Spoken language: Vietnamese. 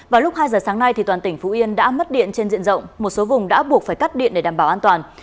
vào lúc hai giờ sáng nay toàn tỉnh phú yên đã mất điện trên diện rộng một số vùng đã buộc phải cắt điện để đảm bảo an toàn